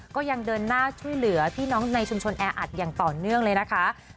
ก็ยังเดินหน้าช่วยเหลือพี่น้องในชุมชนแออัดอย่างต่อเนื่องเลยนะคะ